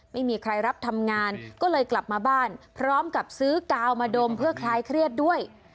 ไม่มีใครรับทำงานก็เลยกลับมาบ้านพร้อมกับซื้อกาวมาดมเพื่อคลายเครียดด้วย